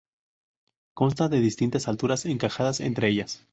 Consta de distintas alturas encajadas entre ellas.